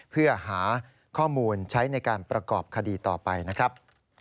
เพื่อหาข้อมูลใช้ในการประกอบคดีต่อไปนะครับ